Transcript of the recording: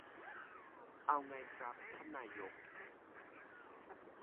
เอาไงครับท่านนายก